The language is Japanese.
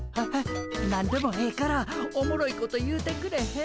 何でもええからおもろいこと言うてくれへん？